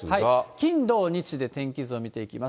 金土日で天気図を見ていきます。